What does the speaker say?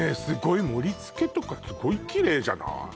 すごい盛りつけとかすごいきれいじゃない？